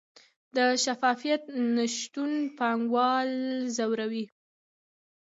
د شفافیت نشتون پانګوال ځوروي؟